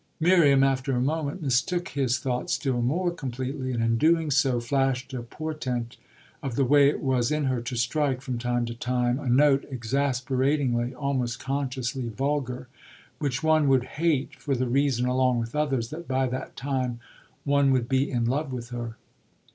Miriam after a moment mistook his thought still more completely, and in doing so flashed a portent of the way it was in her to strike from time to time a note exasperatingly, almost consciously vulgar, which one would hate for the reason, along with others, that by that time one would be in love with her.